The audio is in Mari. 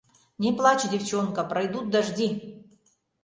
Не плачь, девчонка, пройдут дожди...